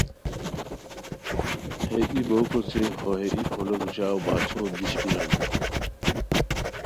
ہے ای بوک اوچے ہو ہے ای پھولوک ژاؤ باچھو دیش بیرانی